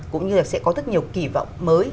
cũng như là sẽ có rất nhiều kỳ vọng mới